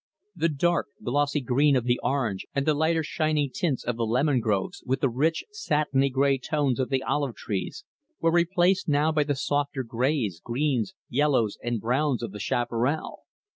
The dark, glossy green of the orange and the lighter shining tints of the lemon groves, with the rich, satiny gray tones of the olive trees, were replaced now by the softer grays, greens, yellows, and browns of the chaparral.